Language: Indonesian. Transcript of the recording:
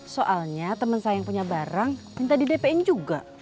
soalnya temen saya yang punya barang minta di dp in juga